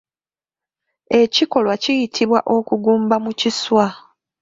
Ekikolwa kiyitibwa okugumba mu kiswa.